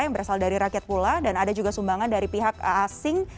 yang berasal dari rakyat pula dan ada juga sumbangan dari pihak asing